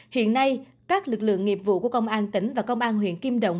hiện nay các lực lượng nghiệp vụ của công an tỉnh và công an huyện kim động